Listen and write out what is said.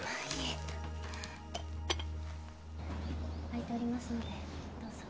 開いておりますのでどうぞ。